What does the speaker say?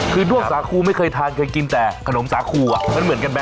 คือด้วงสาคูไม่เคยทานเคยกินแต่ขนมสาคูอ่ะมันเหมือนกันไหม